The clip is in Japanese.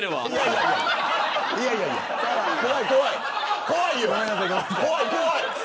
怖い、怖い。